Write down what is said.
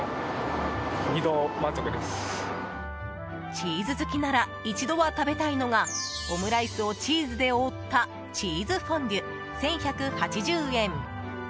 チーズ好きなら一度は食べたいのがオムライスをチーズで覆ったチーズフォンデュ、１１８０円。